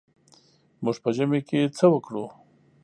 موږ په ژمي کې څه وکړو.